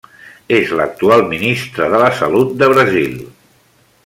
És l'actual ministre de la Salut de Brasil.